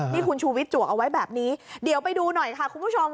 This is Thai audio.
นี่คุณชูวิทยจวกเอาไว้แบบนี้เดี๋ยวไปดูหน่อยค่ะคุณผู้ชม